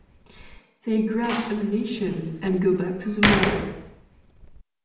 They grab ammunition and go back to the mall.